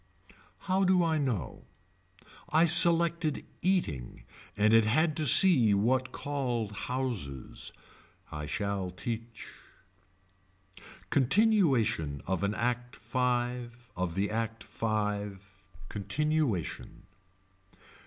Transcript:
How do I know. I selected eating and it had to see what called houses. I shall teach. Continuation of an Act Five of the Act Five. Continuation.